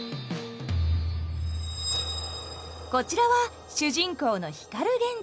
こちらは主人公の光源氏。